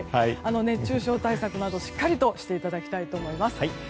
熱中症対策など、しっかりしていただきたいと思います。